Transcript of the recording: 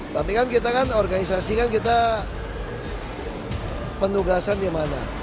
tapi kan kita kan organisasi kan kita penugasan di mana